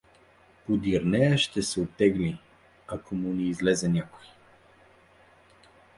Подир нея ще се оттегли, ако му не излезе някой.